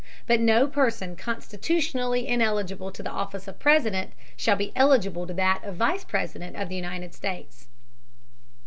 But no person constitutionally ineligible to the office of President shall be eligible to that of Vice President of the United States.